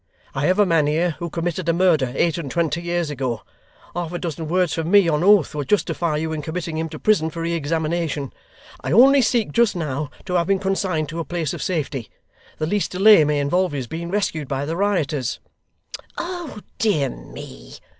I have a man here, who committed a murder eight and twenty years ago. Half a dozen words from me, on oath, will justify you in committing him to prison for re examination. I only seek, just now, to have him consigned to a place of safety. The least delay may involve his being rescued by the rioters.' 'Oh dear me!